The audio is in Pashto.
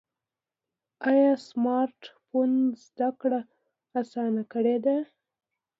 ایا سمارټ فون زده کړه اسانه کړې ده؟